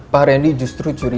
pak randy justru curiga